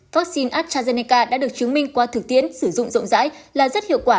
vaccine astrazeneca đã được chứng minh qua thực tiễn sử dụng rộng rãi là rất hiệu quả